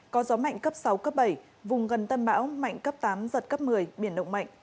có gió mạnh cấp sáu cấp bảy vùng gần tâm bão mạnh cấp tám giật cấp một mươi biển động mạnh